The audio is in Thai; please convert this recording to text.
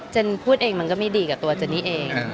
พูดเองมันก็ไม่ดีกับตัวเจนนี่เอง